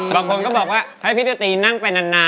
บางคนก็บอกพี่ตื้อตธรีนั่งไปนาน